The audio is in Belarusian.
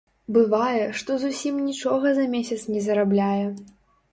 Бывае, што зусім нічога за месяц не зарабляе!